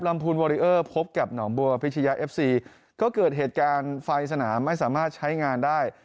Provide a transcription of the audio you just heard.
พูนวอริเออร์พบกับหนองบัวพิชยาเอฟซีก็เกิดเหตุการณ์ไฟสนามไม่สามารถใช้งานได้